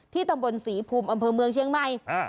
ตำบลศรีภูมิอำเภอเมืองเชียงใหม่